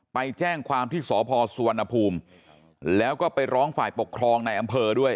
ไปแจ้งความที่สพสุวรรณภูมิแล้วก็ไปร้องฝ่ายปกครองในอำเภอด้วย